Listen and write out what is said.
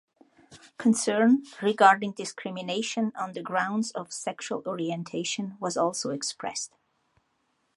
Concern regarding discrimination on the grounds of sexual orientation was also expressed.